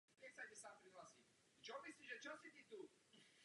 Je mi ctí, že jsem tu příležitost dostal.